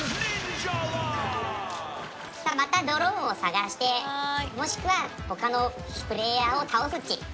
またドローンを探してもしくはほかのプレーヤーを倒すッチ。